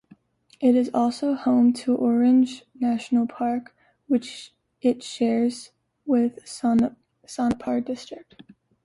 It is also home to Orang National Park, which it shares with Sonitpur district.